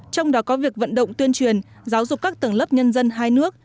trong đó có việc vận động tuyên truyền giáo dục các tầng lớp nhân dân hai nước